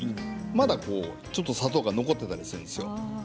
まだちょっと砂糖が残っていたりするんですよ。